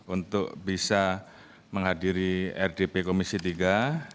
untuk bisa menghadiri rdp komisi tiga